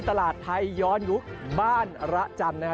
ตลาดไทยย้อนยุคบ้านระจำนะคะ